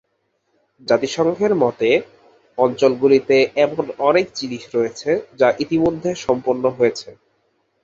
জাতিসংঘের মতে, অঞ্চলগুলিতে এমন অনেক জিনিস রয়েছে যা ইতিমধ্যে সম্পন্ন হয়েছে।